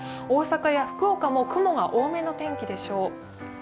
大阪や福岡も雲が多めの天気でしょう。